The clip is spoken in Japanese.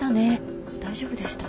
大丈夫でした？